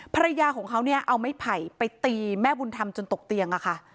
ภรรยาของเขาเนี่ยเอาไม้ไผ่ไปตีแม่บุญธรรมจนตกเตียงอะค่ะ